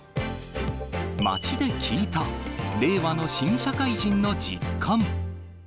街で聞いた、令和の新社会人の実感。